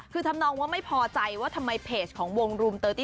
คือทำนองว่าไม่พอใจว่าทำไมเพจของวงรุมเตอร์ตี้